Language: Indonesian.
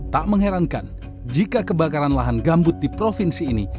tak mengherankan jika kebakaran lahan gambut di provinsi ini